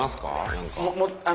何か。